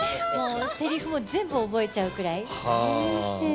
せりふも全部覚えちゃうくらいで。